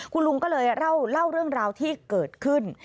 คุณลุงก็เลยเล่าเรื่องราวที่เกิดขึ้น